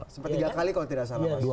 sempat tiga kali kalau tidak salah pak